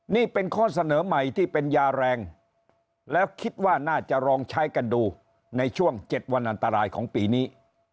นี่เป็นข้อเสนอใหม่ที่เป็นยาแรงแล้วคิดว่าน่าจะลองใช้กันดูในช่วง๗วันอันตรายของปีนี้